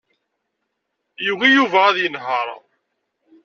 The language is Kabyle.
Yugi Yuba ad yenheṛ.